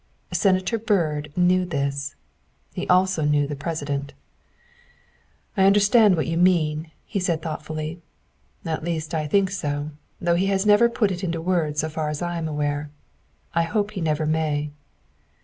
Senator Byrd knew this. He also knew the President. " I understand what you mean," he said thought fully, " at least I think so, though he has never put it into words so far as I am aware. I hope he never may."